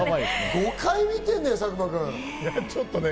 ５回見てるんだよ、佐久間君。